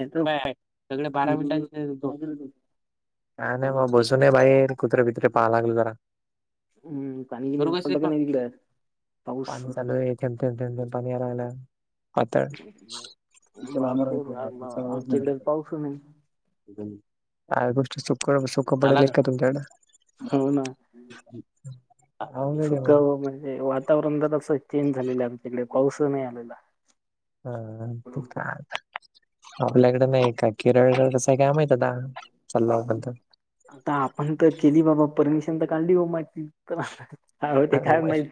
नाहीतर काय सगळे बारा मिनिटां काय नाही मग बसून बाई कुत्रे बित्रे पाहा लागलो जरा. हम्म पाणी गिणी दुर्ग पडलं का नाही तिकडे पाऊस? पाणी चालू आहे. ठथेमथम थेमथम पाणी यायला पातळ बापरे बाप आमच्या हिट पाऊस म गोष्ट च को सुखपतड हो ना. सुक [unintelligible] म्हणजे वातावरण तर असं चेंज झालेलं आमच्याकडे पाऊस नाही आलेला. हा हा. आपल्याकडे नाही का केरळकडे तसं काय माहित आहे आ चालांत? आता आपण तर केली बाबा परमिशन तर काढली हो माझी तर हो ह ते काय माहित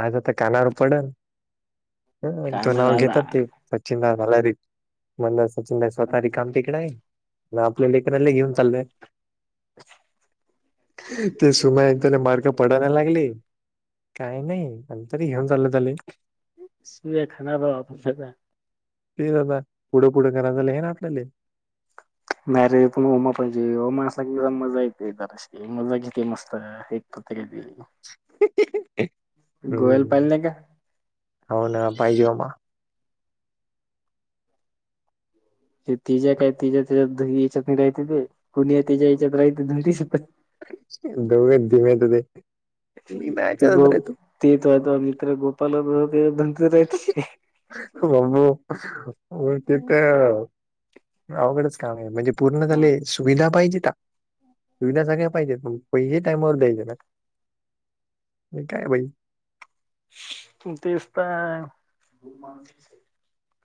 आता तर काना वर पडेल. काय हो नाव माहित आता. गेतात सचिन नला र म्हण ला असेल सचिनदाई स्वतः ही काम तिकडे आहे म आपल्या लेकरांना घेऊन चालूय ते सुमायन तने मारग पडाना लागली काही नाही आणिंतरी घेऊन चाललं ले सुया खाणार राव आपण आदा पुढं पुढं करा झा हे नाटलेले. मॅरेज पण होमा पाहिजे होमा अस क मजा येते तरर. मजा किती मस्त एक तर तरी. पाहिलं हम्म नाही का हो ना पाहिजे आमा. ते ति ज्या काय तिज्या त्याच्यात याच्यात राहते ते पुणी तिच्या्या याच्यात राहते दघ धीमेत ते मी गो [inaudible] ते त आता मित्र गोपाल ते बनतेच राह ब्बू हो तिथ अवघडच काम आहे म्हणजे पूर्ण झाले हम्म, सुविधा पाहिजे सुविधा सगळ्या पाहिजेत पैसे टामावर द्यायचे ना. हे काय बाई? तेच तर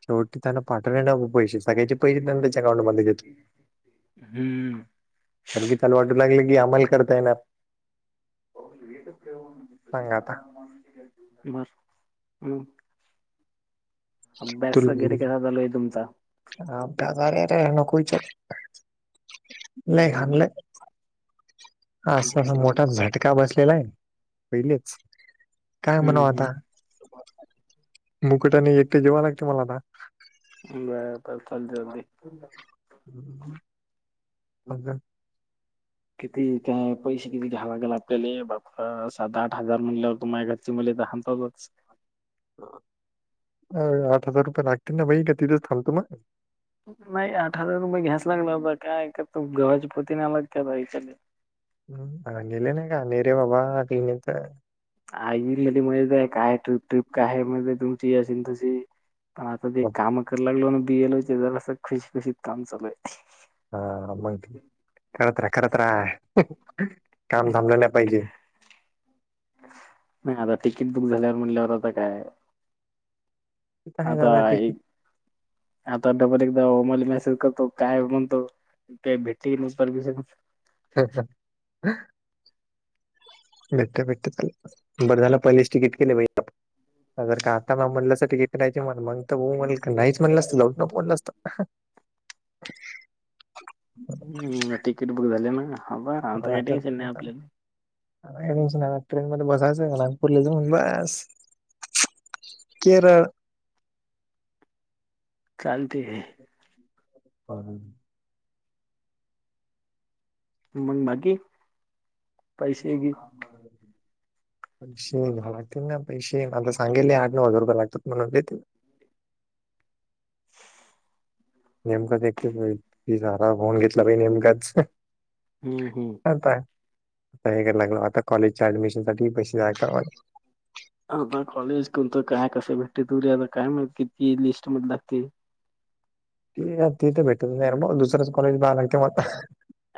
शेवटी त्यांना पाठवण्या पैसे सगळयचे पैसे त्यांना त्याच्या अकाउं बेतात. हम्म. आणणकीी चाला वाटू लागलं की आम्हाला करता येणार. सांग आता बस. अभ्यास वगैरे कसा झालोय तुमचा? अ ब्याजर नकच नाही घानले. असं असा हम्म मोठा झटका बसलेला आहे पहिलेच काय म्हणाव हम्म आता मुकुटाने एकटे जेवा लागते मला आता ब ब लदी चलदी ह मजे किती काय? पैसे त घ्यावागेला आपल्याला बा सात आठ हजार म्हणलेवरत माझ्या घरचे म तरतातच अ आठ हजार रुपये लागतील ना बाई का तिथेच थांलतो मग नाही आठ हजार रुपये घ्यास लागला होता काय कर तो गव्हाच्या पोती नाही आला त्याच्या हम् आले ना काने रे बाबा तने तर आईली म काय टप ट्र्रीप काय म्हणज तुमची असेल तशी पण आता ते बाप- काम करू लागलो ना बिएल होचे ज असं खुशीखुशीत काम चालू आहे. हा माहि करत राहा करत राहा काम थांबलं नाही पाहिजे. नाही आता तिकीट बुक झाल्यावर म्हणल्यावर आता काय? का आहे झा आता टिक. एक आता डबल एकदा होमल मेसेज करतो काय म्हणतो. का भेटी नाही प हा. भेटत भेटत बर झाला पहिलेच तिकीट केले पाहिज. जर का आता ना म्हल्यासाठीिकटनयची म्ह मग हो म्हण का नाहीच म्हणलं असत लवडनप म्हणलं असत. हम् तिकीट बुक झाले ना ह ब आता काही टेयशन नाही आपल्याला स ट्रेन मध्ये बसायचं आहे का नागपूरला जाऊन बस. केरळ. चालते आहे. [unintelligible] मग बाकी पैसे हग. [unintelligible] पैसे लागतील ना पैसे आता सांगेले आठ नऊ हजार रुपये लागतात म्हणूनतील. नेमकं देीलईल. ति सारा फोन घेतला पा नेमकाच हम्म हम्म आता हेयला लागल आता कॉलेज च्या ऍडमिशनसाठी पैसे नाही. आता कॉलेज कोणतं काय कसं भेटते तुे आता काय माहि कितीी लिस्ट मध्ये लागते. ते ते तर भेटत नाहीर मग दुसरच कॉलेज लागते म आता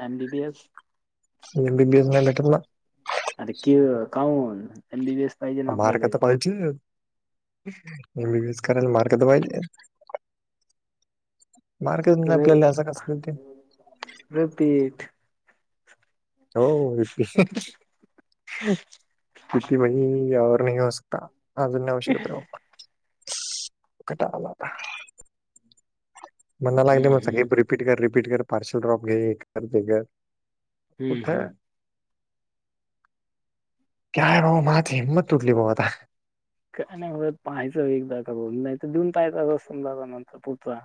एम बी बी एस. बी बीटला. आर कि काऊन त्यां वेस पाहिजे ना मार्क आपल्याला तर पाहिजे एमबीबीएस करायला मार्क दवायला. मार्केट नाही आपल्याला असं कस ते रिपीट. हो. स्िती मही नाही हो सकता अज आवश्यकता र बा. कटालाता. म्हण लागले हम्म मग सांग हम्म रिपीट कर रिपीट कर पार्सल ड्रॉप घे कर ते कर. हम्म कुठं हम्म. काय भाऊ हम्म माझी हिंमत तुटली भाऊ आता. काय नाही पाहायचं एकदा करून नाही तर देऊन [unintelligible] नंतर पुढचा.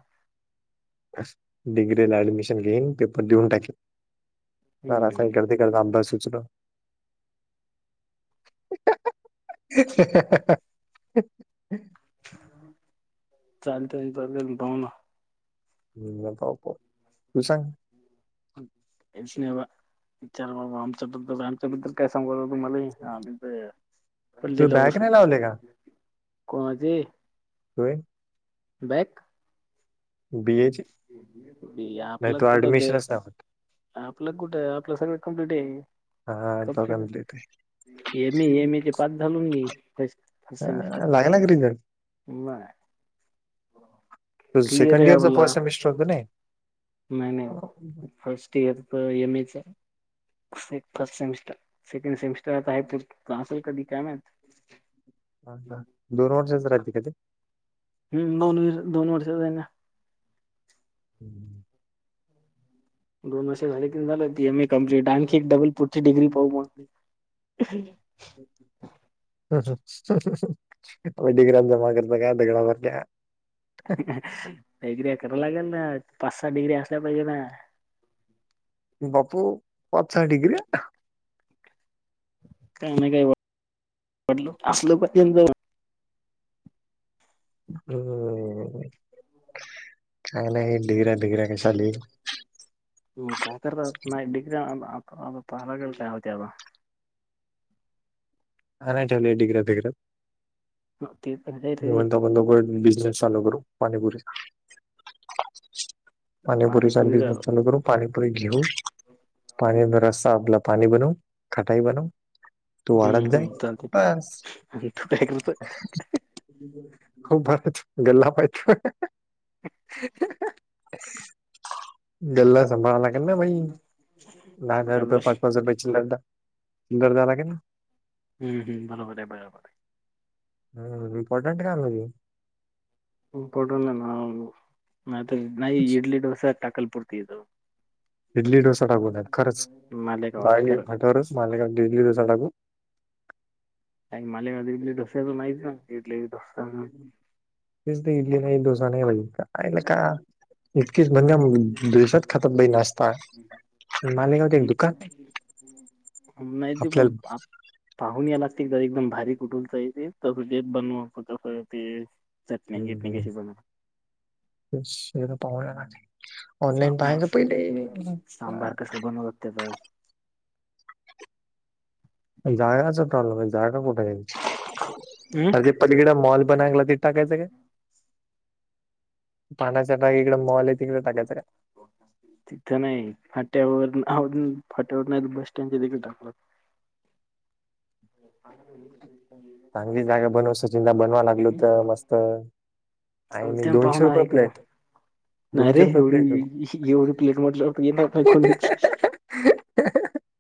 असं डिग्रीला ऍडमिशन घेईन, पेपर देऊन टाकीन. हम्म हम्म. [unintelligible] एक [unintelligible] सुचलं. [unintelligible] चालतंय [unintelligible] पाहू ना. [unintelligible] तू सांग. कायच नाही बा [unintelligible] आमच्या बद्दल काय सांगू आता तुमाले हा तू बॅग नाही लावले का [unintelligible] कोवाची? होय? बॅक बीए ची नाही आपल्यात‌ तू कुठं ब ऍडमिशनच नाही होत आपलं कुठं आपलं सगळं कंप्लीट आहे. हा दोघाला देतोय. एमी एमी ते पास झालो ना‌ मी [unintelligible] काय लागला का रिझल्ट? नाही. हो. तुझ सेकंड इयरच फर्ट सेमीस्टर होत नाही? नाही नाही हा. फर्स्ट इयरच एम एच हाय. से फर्स्ट सेमिस्टर सेकंड सेमिस्टर आता आहे प असेल कधी काय माहित. हा का. दोन वर्षांच राहते का ते? हम्म दोन व दोन वर्षाच हाय ना. हम्म. दोन वर्षे झाले की झालं ती एम ए कम्प्लीट. आणखी एक डबल पुढची डिग्री पाहू मग. डिग्र्या जमा करत का [unintelligible] काहीतरी कराय लागेल ना, पाच सात डिग्री असल्या पाहिजे ना. बापू पाच सहा डिग्र्या. काय ना काय वाट [unintelligible] असल पण त्यां [unintelligible] हो. चांगलं हे डिग्र्या बिग्र्या कशाले. तुम्ही का करताय नाही बिग्र्या [unintelligible] होत्या बघा. आणायच्या लई डिग्र्या घरात ते तर काय रे [unintelligible] बिझनेस चालू करू पाणीपुरी पाणीपुरीचा पाणीपुरी बिझनेस चालू करू. पाणीपुरी घेऊ, पाणी जरासा आपलं पाणी बनवू. खटाई बनवू. तू हम्म, वाढत जाय हम्म चालतंय. बस [unintelligible] गल्ला पाहिते. गल्ला संभाळाय लाग ना भाई. दहा दहा रुपये, गल्ला? पाच पाच रुपये चिल्लर दा चिल्लर [unintelligible] की नई. हम्म, हम्म बरोबर आहे, बरोबर आहे. हम्म इम्पॉर्टंट काम हाय ते. इम्पॉर्टंट [unintelligible] नाही तर नाही इडली डोसा टाकल पुरती तो. इडली डोसा टाकू नाहीतर खरंच मालेगावात बाई खरं भटोरच [unintelligible] इडली डोसा टाकू. मालेगावात इडली डोसाच नाहीच ना इडली आणि डोसा. नाही तेच इथं इडली नाही, डोसा नाही भाई काय लेका. [unintelligible] दिवसां खतम भाई नाश्ता. मालेगावत एक दुकान नाही. नाही ते पण पाहून याय लागती तर एकदम भारी कुठुलच आहे ते [unintelligible] बनवू ते. चटणी हम् गिटणी ह कशी बनव ते शेत पाहा सांबार, सांबार कस बनवतातते जागाच प्रॉब्लेम जागा कुठे आहे हम् आधी पण हिला मॉल बनयला ते सांगायचं काय पण चग इड मॉल तिकड सांगायचं का तिथं नाही फाट्यावर, फाट्यावर नाही बस सटँड देखील टाकलं ह चांगली जागा बनव सचिनला बनवा लागल होत मस्त आणि मी चालते ना दोनशे पाहुणा रुपये आहे का प्लेट नाही रे दोनशे रुपये प्लेट बघू एवढी एवढी प्लेट म्हटलं येणार नाही कोणीच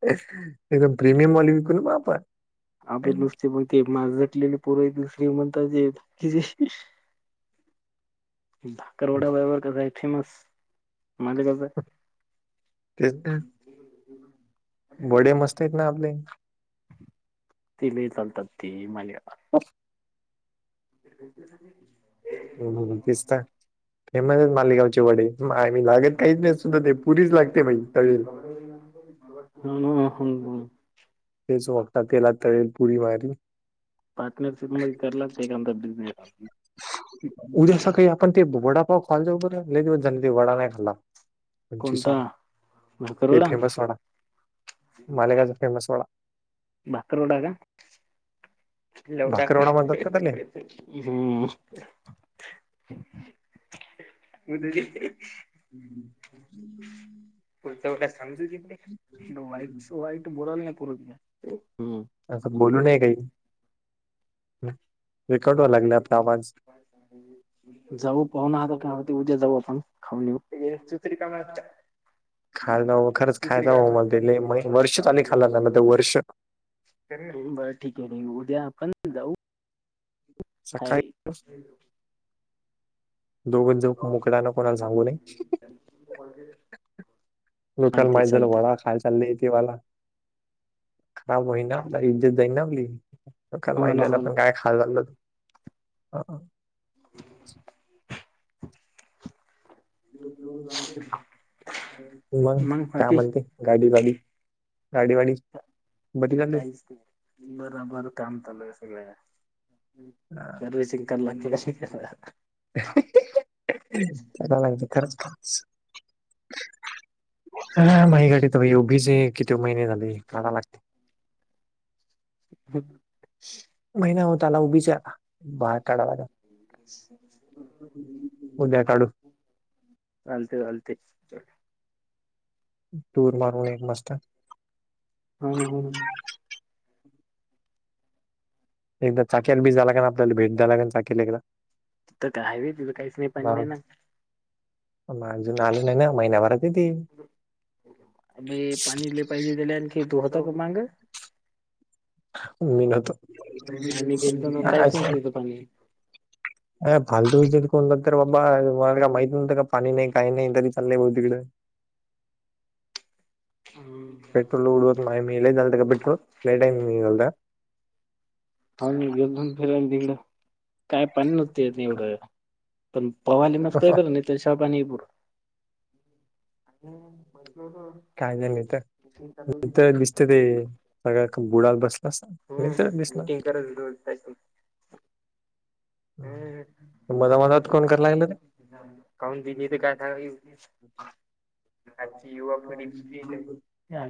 एकदम प्रीमियम वा विक ना बापा आपे नुसते पग ते मा झटलेले पुर द श म्हणता जे भाकरवडा बबर कसं आहे फेमस माजा कस आहे हेच तेंन वडे मस्त आहेत ना आपले तिली तलत त मल ह ह तिस्ता फेमस आहेत मालेगावचे वडे आ मी लागत काहीच नाही सुद्धा ते पुरीच लागते बाई तळील ह तेच वकता तेलात तळेल पुरी मारी पार्टनरशिप मध्ये केला एखा बिझनेस उद्या असं काही आपण ते वडापाव खालजबर ते वडा नाही खाल्ला उंची कोणता साडा ते भाकरवडा फेमस वडा मालेगाज फेमस वडा भत्तर वडा का लवडा भाकरवडा म्हणतात का त्याले हम् ह् पु सांग त्हाईट वईट बोलाला ना पूर हम्म असं बोलू न काही रेकॉर्ड व्हायला लागले आपला आवाज य जाऊ पाहनाह का होती उद्या जाऊ आपण खाऊ खायला खरंच खायच मध्ये म वर्ष चाली खाल्ला वर्ष बरं ठीक आहे र उद्या आपण जाऊ ह सकाळी दोघं जाऊ मोकळ्यानं कोणाला सांगू वै लोकल माहीत झालं वड खायच ली त वाला खराब होईना आप इज्जत दईना आपली लोकला हो ना माहिद्याला हो ना पण काय खायला लागलं मग काय म्हणते गाडी वाडी गाडी वाडी. बरी झाली काहीच नाय बरबर काम चालूय सगळ्या हा, सर्विसिंग करा लागतीअशी [unintelligible] [unintelligible] त्याला लागते खरंच पाच. हा माही गडीत उभीच किती महिने झाले काढा लागते हम महिना होत आला उभीच आहे आता बाहेर काढा लागेल उद्या काढू [inaudible] चालते चालते. टूर मारून एक मस्त. हो ना हो एकदा चाक्याला बी झाला का आपल्याला भेट दला का चाकीला एकदा. तर का हवे तिला काहीच नाही पण नाही ना मग अजून आले नाही ना महिना्याभरातती अबे पाणी लय पाहिजे दिले आणखी तू होत का माय. मी निघातो. आम्ही गेलो ना, काईच नव्हत तिथ पाणी. अ फालतू विचत कोणतात तर बाबा मला काय माहित नव्हं का पाणी नाही काही नाही तरी चाललंय भा तिकडं हम पेट्रोल उडवत नाही मी लय झालत का पेट्रोलट लय टाईम झालाता हा मी गेलतो ना जाऊदे ना तिकडं काय पाणी नव्हते त्यात ऐवढ पण पहावाले मस्त आहे बरं तसाव पाणी [unintelligible] हम्म हम्म काय झालं होतं नुसतं ते ते बुडतात बसलेल. अस नाही तर दिसणार. व्हिडिओ काडसन मजा मजात कोण [unintelligible] काऊन बीजी येते काय करायला. आजची युवा पिढीजे हा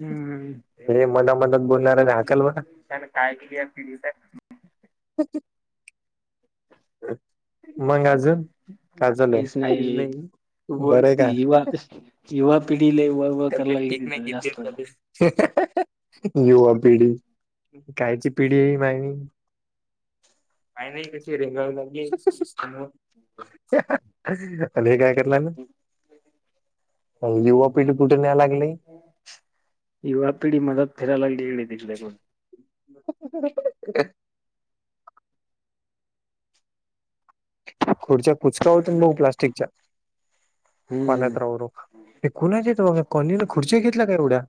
हम्म रे हे मोठा मधा मोठ मधात बोलणाऱ्याला हाकल बरं. त्या काय केली [unintelligible] [unintelligible] मंग अजून काय चालू आहे काही नाही बरं आहे ते युवा का? युवा पिढी लय वळवळ कराय लागल्यात इथं जास्त. [inaudible] युवा पिढी, कायची पिढी भाई काय नाही कशी रेंगाळू लागलेय. [inaudible] [unintelligible] [inaudible] आणि हे काय कराय लागल? [unintelligible] युवा पिढी कुठे न्याय लागली युवा पिढी मदत फिरायला लागली हे इकडे- तिकडे गून. [inaudible] खुर्च्या कुचका होतन भाऊ प्लास्टिकच्या. पाण्यात हम्म राहू-राहू ते कुणाचेेत बघ [unintelligible] कॉनेनं खुर्ची घेतल्या का एवढ्या?